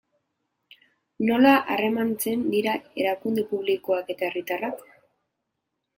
Nola harremantzen dira erakunde publikoak eta herritarrak?